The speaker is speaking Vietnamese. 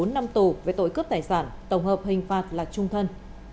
bốn năm tù về tội cướp tài sản tổng hợp hình phạt là trung thân